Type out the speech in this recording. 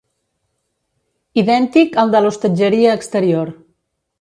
Idèntic al de l'hostatgeria exterior.